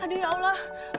aduh ya allah